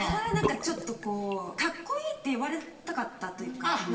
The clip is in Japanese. ちょっとこうカッコいいって言われたかったというか。